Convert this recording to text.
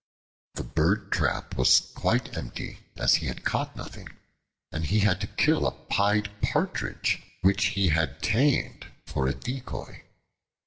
The bird trap was quite empty, as he had caught nothing, and he had to kill a pied Partridge, which he had tamed for a decoy.